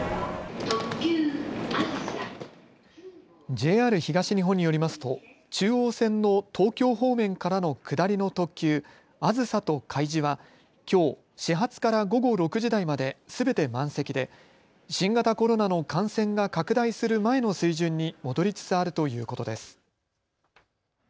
ＪＲ東日本によりますと中央線の東京方面からの下りの特急あずさとかいじはきょう始発から午後６時台まですべて満席で新型コロナの感染が拡大する前の水準に戻りつつあるということです。